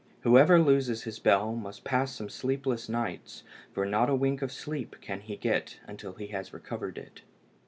Whoever loses his bell must pass some sleepless nights, for not a wink of sleep can he get till he has recovered it.